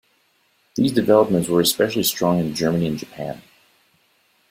These developments were especially strong in Germany and Japan.